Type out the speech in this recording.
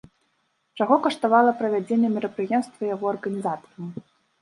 Чаго каштавала правядзенне мерапрыемства яго арганізатарам?